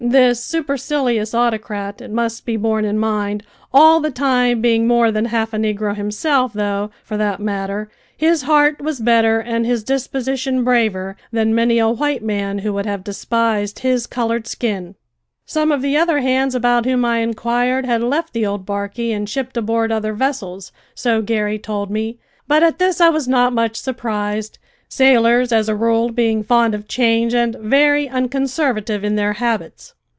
This supercilious autocrat, it must be borne in mind, all the time being more than half a negro himself, though, for that matter, his heart was better and his disposition braver than many a white man who would have despised his coloured skin. Some of the other hands about whom I inquired had left the old barquey and shipped aboard other vessels, so Garry told me; but at this I was not much surprised, sailors as a rule being fond of change and very unconservative in their habits.